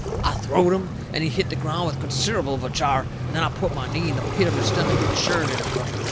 I throwed him, and he hit the ground with considerable of a jar, and then I put my knee in the pit of his stomach and churned it a couple.